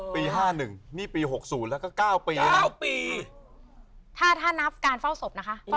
ปีห้าหนึ่งนี่ปีหกศูนย์แล้วก็เก้าปีเก้าปีถ้าถ้านับการเฝ้าศพนะคะอืม